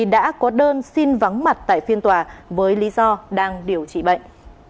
đã có đơn xin vắng mặt tại phiên tòa với lý do đang điều trị bệnh